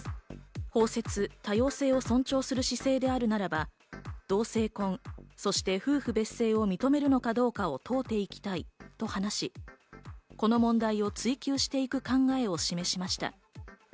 包摂、多様性を尊重する姿勢であるならば、同性婚、そして夫婦別姓を認めるのかどうかを問うていきたいと話し、この問題を追及していく考えを示しました。